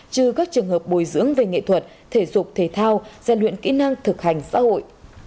trừ các trường hợp bồi dưỡng về nghệ thuật thể dục thể thao gian luyện kỹ năng thực hành xã hội